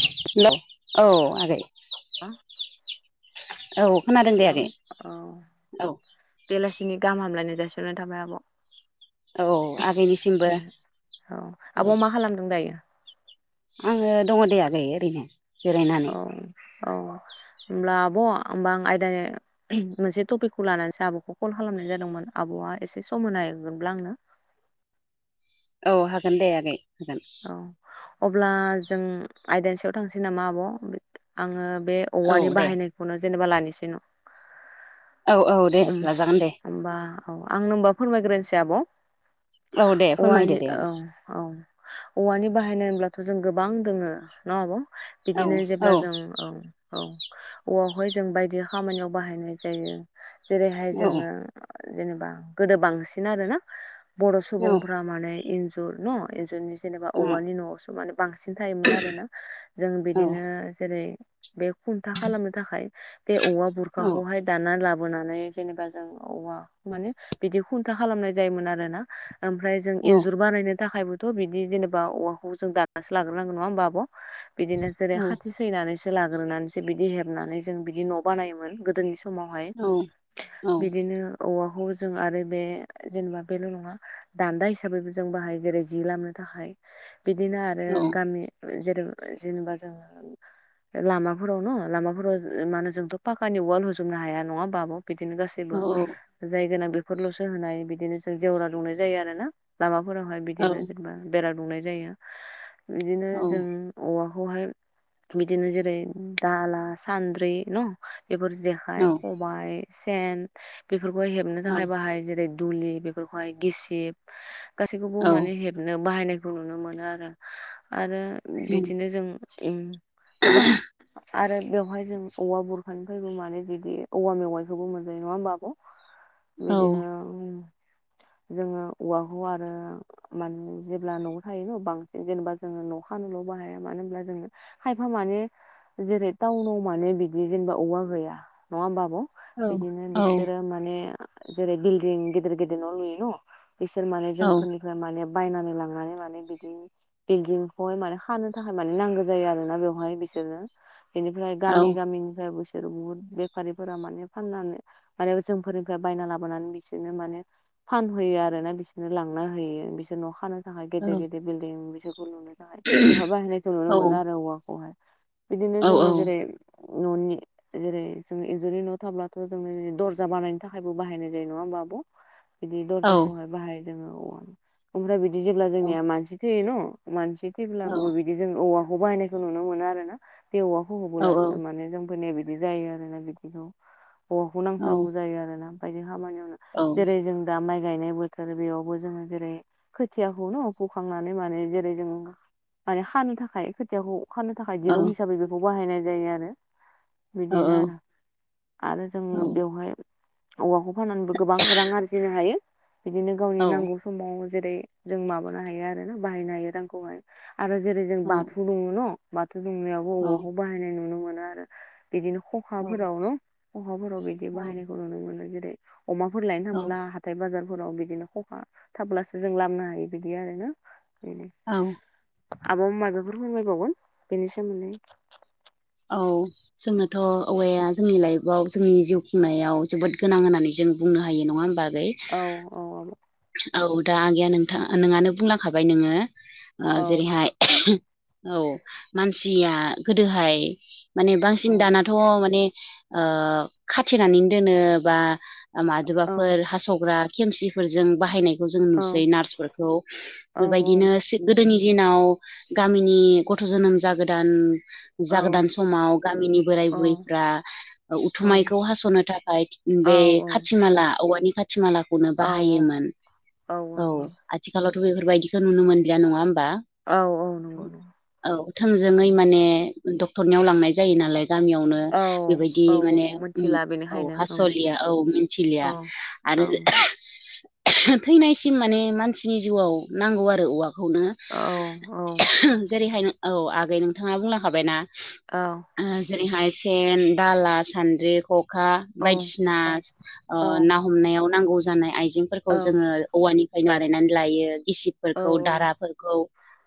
Hello औ आगै औ खोनादों दे हेलौ आगै औ औ बेलासिनि गाहाम हामलायनाय जासिहरनाय थाबाय आब' औ आगैनिसिमबो औ आब' मा खालामदों दायो? आङो दङ दे आगै ओरैनो जिरायनानै औ औ होनोमब्ला आब' होमबा आं आयदानि मोनसे टपिकखौ लानानैसो आब'खौ कल खालामनाय जादोंमोन आब'आ एसे सम हायोब्ला आंनो औ हागोन दे आगै हागोन औ अब्ला जों आइदानि सायाव थांसै नामा आब' आङो बे औ औवानि दे बाहायनायखौनो जेनेबा लानोसै ना औ औ दे लाजागोन दे होमबा औ आंनो होमबा फोरमायग्रोनोसै आब' औ दे फोरमायदो औवानि दे औ आगै औ औवानि बाहायनाय होनब्लाथ' जों गोबां दोङो ना आब' बिदिनो जेब्ला जों औ औावखौहाय जों बायदि खामानियाव बाहायनाय जायो जेरैहाय जोङो जेनेबा गोदो बांसिन आरो ना बर' औ सुबुंफोरा माने इन्जुर न इन्जरनि जेनेबा औवानि न'आवसो माने बांसिन थायोमोन आरो ना जों औ बिदिनो जेरै बे खुन्था खालामनो थाखाय बे औवा औ बुरखाखौहाय दाननानै लाबो होनानै जेनेबा जों औवाखौ माने बिदि खुन्था खालामनाय जायोमोन आरोना जों इन्जुर बानायनो थाखायबोथ' बिदि जेनेबा औवाखौ जों दानासो लाग्रोनांगोन नङा होमबा आब' बिदिनो औ जेरै हाथि नानैसो लाग्रोनानैसो बिदि हेबनानै जों बिदि न' बानायोमोन गोदोनि समावहाय औ बिदिनो औवाखौ जों आरो बे जेनेबा बेल' नङा दान्दा हिसाबैबो जों बाहाय जेरै जि लामनो थाखाय बिदिनो आरो औ गामि ज जेनेबा जोङो लामाफोराव न लामाफोराव मा होनो जोंथ' पाखानि उाल होजोबनो हाया नङा आब' बिदिनो गासैबो जाय गोनां बेफोरल'सो होनाय बिदिनो जों जेवरा दुंनाय जायो आरो ना लामाफोरावहाय बिदिनो जेनेबा बेरा दुमनाय जायो बिदिनो जों औवाखौहाय बिदिनो जेरै दाला सान्द्रि न बेफोर जे खबाय सेन बेफोरखौ हेबनो थाखाय औ बाहायो जेरै दुलि बेफोरखौहाय गिसिब गासैखौबो औ औ माने हेब बाहायनायखौ नुनो मोनो आरो आरो बिदिनो जों उम गोबां आरो बेवहाय जों औवा बरुरखानिफ्रायबो मानो जुदि औवा मेवाइखौबो मोनजायो नङा होमब आब' बिदिनो जोङो औवाखौ आरो माने जेब्ला न'आव थायो न' बांसिन जेनेबा जोङो न' हानोल' बाहाया मानो होनब्ला जोङो खायफा माने जेरै टाउनाव माने बिदि जेनेबा औवा गैया नङा होमबा आब' बिदिनो बिसोरो माने जेरै बिल्डिं गेदेर गेदिर न' लुयो न बिसोर माने जोंफोरनिफ्राय माने बायनानै लांनानै माने बिदि बिल्दिंखौहाय माने खानो थाखाय माने नांगौ जायो आरो ना बेवहाय बिसोर बेनिफ्राय गामि गामिनिफ्राय बिसोरो बुहुत बे फारिफोरा माने फाननानै माने जोंफोरनिफ्राय बायना लाबोनानै बिसोरनो माने फानहैयो आरोना बिसोरनो लांना होयो बिसोर न' खानो जाय गेदेर गेदेर बिल्डिं बिसोरखौ लुनो थाखाय बेवहाय बाहायनायखौ नुनो मोनो आरो औवाखौहाय बिदिनो जोङो जेरै न'नि जेरै जों इन्जुरनि न' थाब्लाथ' जोंङो दरजा बानायनो थाखायबो बाहायनाय जायो नङा होमबा आब' बिदि औ औ दर्जाखौहाय बाहायदों जोङो औवा ओमफ्राय बिदि जेब्ला औ जोंनिया मानसि थैयो न' मानसि औ थैब्लाबो बिदि जों औवाखौ बाहायनायखौ नुनो मोनो आरो ना बेे औवाखौ औ होबोलासो माने जोंफोरनिया बिदि जायो आरोना बिदिखौ औवाखौ औ नांथारगौ जायो आरोना बायदि खामानियावनो औ जेरै जों दा माइ गायनाय बोथोर बेयावबो जोङो जेरै खोथियाखौ न फोखांनानै माने जेरै जों माने खानो थाखाय खोथियाखौ खानो थाखाय औ दिरुं हिसाबै बेखौ बाहायनाय जायो आरो औ बिदिनो आरो आरो औ जोङो बेवहाय औवाखौ फाननानैबो गोबां रां आरजिनो हायो बिदिनो गावनि नांगौ समाव जेरै जों माबानो हायो आरो ना बाहायनो हायो रांखौहाय आरो जेरै जों बाथौ दङ' न' बाथौ दुमनायावबो औ औवाखौ बाहायनाय नुनो मोनो आरो बिदिनो अखाफोरावनो अखाफोराव बिदि बाहायनायखौ नुनो मोनो जेरै अमाफोर लायनो औ थांबोला हाथाय बाजारफोराव बिदिनो खखा थाब्लासो जों लामनो हायो बिदि आरोना बेनो औ आबवा माबाफोर फोरमायबावगोन बेनि सोमोन्दै औ जोंनोथ' औवाया जोंनि लाइफआव जोंनि जिउ खुंनायाव जोबोद गोनां होननानै जों बुंनो हायो नङा होमबा औ औ आब' औ दा आगैया नोंथां नोंङानो बुंलांखाबाय नोङो औ जेरैहाय औ मानसिया गोदोहाय माने बांसिन औ दानाथ' माने खाथेनानै दोनो बा औ मादबाफोर हास'ग्रा खेमसिफोरजों बाहायनाय खौ औ नुसै नारसफोरखौ औ बेबायदिनो सि गोदोनि दिनाव गामिनि गथ' जोनोम जागोदान औ जागोदान समाव गामिनि बोराय औ बुरैफोरा औ उथुमायखौ हास'नो थाखाय औ बे खाथि खाथि माला औवानि खाथि मालाखौनो औ बाहायोमोन औ आथिखालावथ' बेफोरबायदिखौ नुनो मोनलिया नङा होमबा औ-औ नंगौ नंगौ औ थोंजोङै उम माने डक्टरनियाव लांनाय जायो नालाय गामियावनो औ बेबायदि औ औ माने मिथिला औ बेनिखायनो हास'लिया औ मिन्थिलिया ओं औ आरो थैनायसिम माने मानसिनि जिउआव नांगौ आरो औवाखौनो औ जेरैहाय औ आगै नोंथाङा बुंलांखाबायनाा औ जेरैहाय सेन दाला सान्द्रि खख खा औ बायदिसिना औ औ ना हमनायाव नांगौ जानाय आइजेंफोरखौ औ जोङो औवानिफ्रायनो बानायनानै लायो गिसिबफोरखौ दाराफोरखौ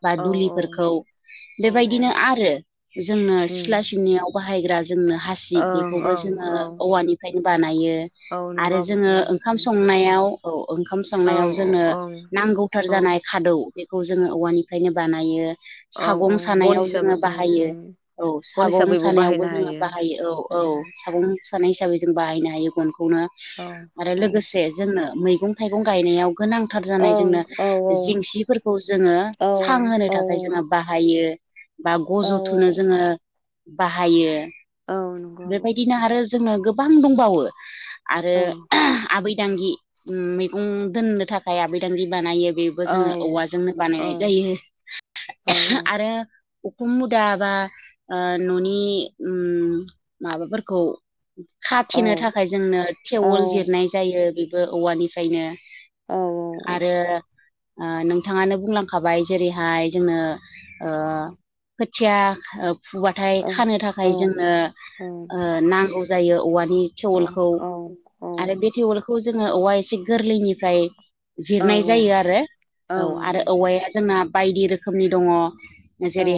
बा औ दुलिफोरखौ औ बेबायदिनो आरो जोंनो सिथ्ला उम सिबनियाव बाहायग्रा जोंनो हासिब ओं बेखौबो ओं जोङो औ औवानि फ्रायनो बानायो औ नंगौ आरो आब' उम जोङो ओंखाम उम संनायाव औ ओंखाम औ संनायाव जोंनो ओं नांगौथार औ जानाय खादौ बेखौ जोङो औवानिफ्रायनो बानायो औ औ सागं बन सानायाव हिसाबै जोङो उम बाहायो उम औ बन सागं हिसाबैबो सानायावबो बाहायनो जोङो हायो बाहायो औ औ उम सागं सानाय हिसाबै जों बाहायनो हायो गनखौनो औ आरो औ लोगोसे जोंनो मैगं थाइगं गायनायाव गोनां थार जानाय ओं जोंनो औ जिंसिफोरखौ जोङो औ सां होनो औ थाखाय जोङो औ बाहायो बा औ गज' थुनो औ जोङो बाहायो औ नंगौ बेबायदिनो आरो जोङो गोबां दंबावो आरो आब' आबैदांगि मैगं दोननो थाखाय आबैदांगि बानायो बे औ ओवाजोंनो औ बानायनाय जायो औ हुदा बा न'नि माबाफोरखौ खाथेनो थाखाय जोंनो औ थेवल जिरनाय जायो बेबो औवानिफ्रायनो औ आरो नोंथाङानो बुंलांखाबाय जेरैहाय जोंनो खोथिया फुबाथाय औ खानो थाखाय औ जोंनो नांगौ जायो औवानि थेवोलखौ औ आरो बे थेवलखौ जोङो औवा एसे गोरलैनिफ्राय औ जिरनाय जायो आरो औ आरो नंगौ नंगौ औवाया जोंना बायदि रोखोमनि दङ औ जेरै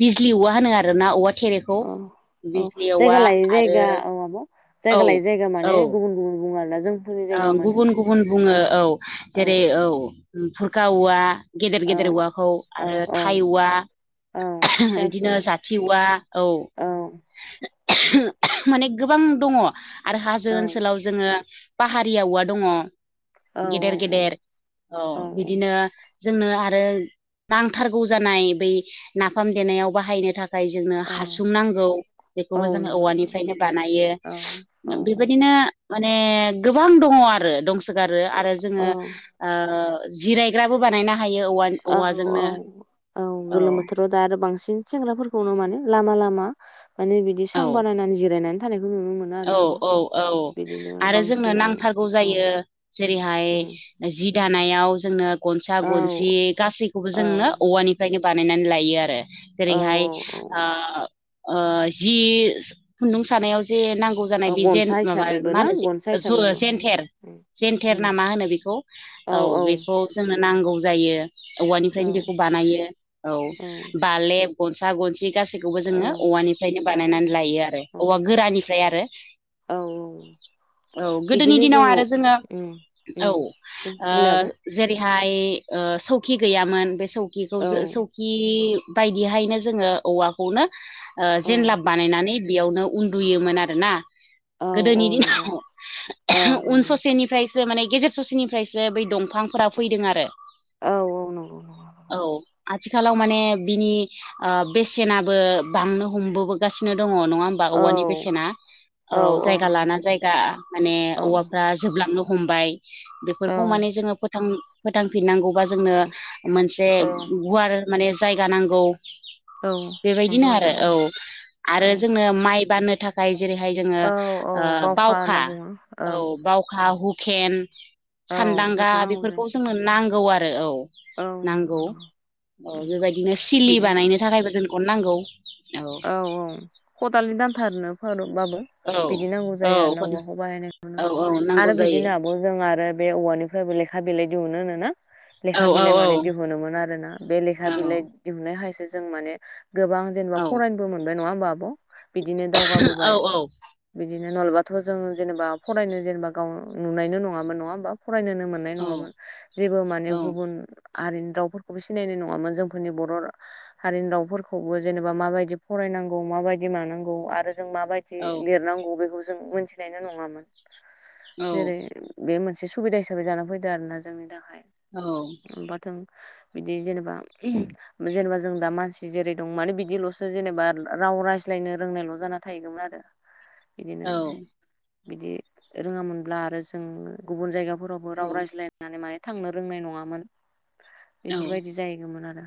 बिजलि औवा होनो आरोना औवा थेरेखौ औ औ बिजलि औवा जायगा लायै आरो जायगा औ आब' औ जायगा लायै जायगा माने औ गुबुन गुबुन बुङो आरोना जों ओं गुबुन गुबुन बुङो औ जेरै ओं औ खुरखा औवा गेदेर औ गेदेर औवाखौ औ आरो थाइ ओं औवा औ फिसा बिदिनो जाथि औवा औ ओम माने गोबां दङ आरो हाजो औ ओनसोलाव जोङो पाहारि औवा दङ औ गेदेर गेदेर औ बिदिनो जोंनो आरो थारगौ जानाय बै नाफाम देनायाव बाहायनो थाखाय जोंनो औ हासुं नांगौ औ बेखौबो जोङो नंगौ औवानिफ्रायनो बानायो औ औ औ बेबायदिनो माने गोबां दङ आरो दंसोगारो आरो जोङो औ जिरायग्राबो बानायनो हायो औवा औ औ औवाजोंनो औ औ गोलोम बोथोराव दा आरो बांसिन सेंग्राफोरखौनो माने लामा लामा माने बिदि सां औ बानायनानै जिरायनानै थानायखौ नुनो मोनो आरो औ आब' औ औ बिदिनो आरो जोंनो बांसिनानो नांथारगौ औ जायो जेरैहाय उम जि दानायाव जोंनो गनसा औ गनसि गासैखौबो औ जोंनो औवानि बे बायदिनो बानायनानै लायो आरो औ जेरैहाय औ जि खुन्दुं सानायाव जे नांगौ जानाय औ बे गनसा माबा हिसाबैबो मा ना गनसा होनो हिसाबैबो जेन्टेर उम जेन्थेर उम ना मा होनो बेखौ औ बेखौ जोंनो नांगौ जायो औवानिफ्रायनो बेखौ बानायो औ बालेब गनसा गनसि गासैखौबो औ जोङो औवानिफ्रायनो औ बानायनानै लायो आरो औवा औ गोरानि निफ्राय आरो औ औ गोदोनि दिनाव आरो जोङो उम उम औ बुंलाय आब' जेरैहाय सौकि गैयामोन बे सौकिखौ औ जौ खि बायदिहायनो जोङो औवाखौनो औ जेनलाब बानायनानै बेयावनो उन्दुयोमोन आरोना औ औ गोदोनि नंगौ ओं दिनाव उन ओं ससेनि फ्रायसो माने गेजेर ससेनिफ्रायसो बै दंफां बिफांफोरा फैदों आरो औ नंगौ नंगौ औ आथिखालाव माने बिनि ओ बेसेनाबो बांनो हमबोगासिनो दङ नङा होमबा औ औवानि बेसेना औ जायगा लाना जायगा दा माने औ औवाफ्रा जोबलांनो हमबाय औ बेफोरखौ माने जोङो फोथां फोथांफिननांगौबा जोंनो मोनसे औ गुवार माने जायगा नांगौ। औ नंगौ बेबायदिनो आब' आरो औ नंगौ औ आरो जोंनो माइ बाननो थाखाय जेरैहाय जोङो औ ओ औ होनना बावखा बुङो औ ओं बावखा हुकेन औ सानदांगा नांगौ जों बेफोरखौ जोंनो नांगौ आरो औ। औ नंगौ नांगौ अ नंगौ बेबायदिनो सिलि बिदिनो बानायनो थाखायबो जोनो गन नांगौ औ। औ औ खदालनि दानथारनोफोर बाबो औ बिदि नांगौ औ जायो आरो ना औवाखौ बाहायनायखौ औ नुनो औ नांगौ आरो जायो बिदिनो आब' जों आरो बे औवानिफ्रायबो लेखा बिलाइ दिहुनो होनोना। औ लेखा औ बिलाइ माने औ दिहुनोमोन आरोना बे लेखा बिलाइ दिहुननायखायसो जों माने गोबां जेनेबा औ फरायनोबो मोनबाय नङा होमबा आब'? बिदिनो औ दावगाबोबाय। बिदिनो नलबाथ' जों जेनेबा फरायनो जेनेबा गाव नुनायनो नङामोन। नङा होमबा? फरायनोनो मोननाय नङामोन जेबो माने गुबुन आरिनि रावफोरखौबो सिनायनाय नङामोन जोंफोरनि बर' हारिनि रावफोरखौबो जेने बा मा बायदि फरायनांगौ माबायदि मानांगौ आरो जों माबायदि लिरनांगौ बेखौ जों मोनथि जायनो नङामोन। औ जेरै बे मोनसे सुबिदा हिसाबै जाना फैदों आरोना जोंनि थाखाय। औ माबाथों बिदि जेनेबा जेनेबा जों दा मानसि जेरै दं मानो बि दिल'सो जेनेबा राव रायज्लायनो रोंनायल' जाना थाहैगौमोन आरो। इदिनो औ बिदि रोङामोनब्ला आरो जों गुबुन जायगाफोराव बो राव रायज्लायनानै माने थांनो रोंनाय नङामोन। एफोरबायदि जाहैगोमोन आरो।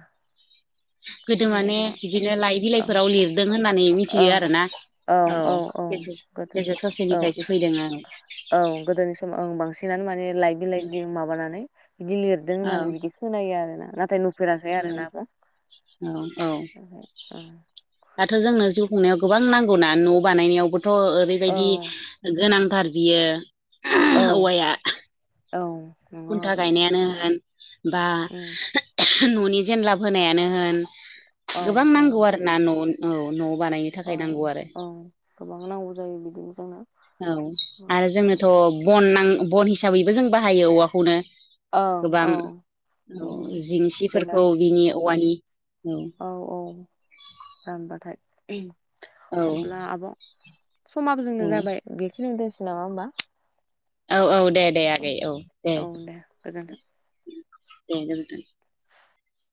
गोदो बिदिनो माने गोबां इदिनो लाइ औ बिलाइफोराव लिर दों होननानै मिथियो ओं आरोना। औ गेजेर गोदो गेजेर औ ससेनिफ्रायसो फैदों ओं। औ गोदोनि समाव ओं बांसिनानो माने लाइ बिलाइ दि माबानानै बिदि लिरदों औ होननानै बिदि खोनायो आरो ना नाथाय नुफेराखै औ आरो नाबा औ औ उम। दाथ' जोंनो जिउ खुंनायाव गोबां नांगौना। न' बानायनायावबोथ' औ ओरैबायदि गोनांथार बियो औ [unintelligible] औवाया औ नंगौ खुन्था आब' नंगौ गायनायानो होन बा उम न'नि जेनलाब होनायानो होन औ गोबां औ नांगौ आरोना न' औ न' बानायनो। औ थाखाय नांगौ आरो औ गोबां नांगौ जायो बिदिनो जोंनो। औ आरो जोनोथ' बन नां बन हिसाबैबो जों बाहायो औवाखौनो। ओं गोबां औ औ जेब्ला जिंसिफोरखौ बिनि औवानि औ औ औ रानबाथाय। औ अब्ला आब' समाबो जोंनो औ जाबाय। बेखियावनो दोनसै नामा होमबा? औ औ दे दे आगै औ दे औ गोजोन्थों। दे गोजोन्थों।